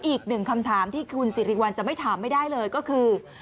อีกหนึ่งคำถามที่คุณสิริวัลจะไม่ถามไม่ได้เลยก็คือ